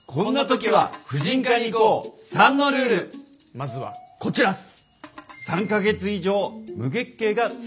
まずはこちらっす！